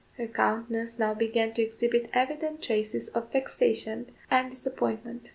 Her countenance now began to exhibit evident traces of vexation and disappointment.